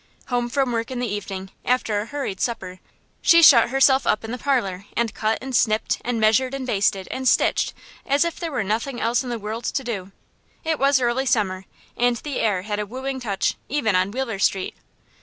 Home from work in the evening, after a hurried supper, she shut herself up in the parlor, and cut and snipped and measured and basted and stitched as if there were nothing else in the world to do. It was early summer, and the air had a wooing touch, even on Wheeler Street.